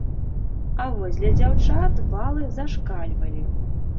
А вось для дзяўчат балы зашкальвалі.